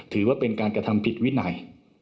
ถือว่าเป็นการกระทำผิดวินัย